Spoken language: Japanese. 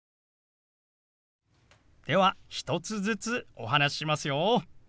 では１つずつお話ししますよ。